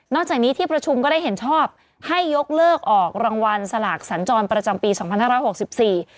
จากนี้ที่ประชุมก็ได้เห็นชอบให้ยกเลิกออกรางวัลสลากสัญจรประจำปีสองพันห้าร้อยหกสิบสี่